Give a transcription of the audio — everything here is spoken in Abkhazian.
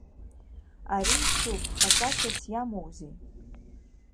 Ари мцуп, хаҵашьас иамоузеи!